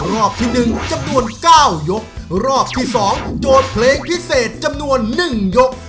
ที่หนึ่งจำนวนเก้ายกรอบที่สองโจทย์เพลงพิเศษจำนวนหนึ่งยก